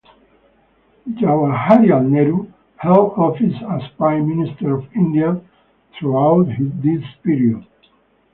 Jawaharlal Nehru held office as prime minister of India throughout this period.